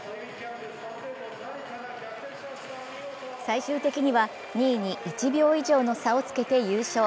最終的には、２位に１秒以上の差をつけて優勝。